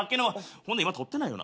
ほんで今撮ってないよな？